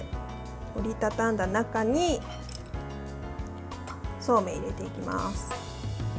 折り畳んだ中にそうめんを入れていきます。